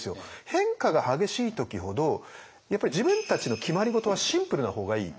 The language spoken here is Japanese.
変化が激しい時ほどやっぱり自分たちの決まり事はシンプルな方がいい。